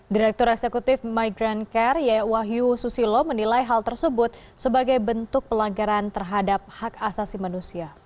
direktur eksekutif migrant care wahyu susilo menilai hal tersebut sebagai bentuk pelanggaran terhadap hak asasi manusia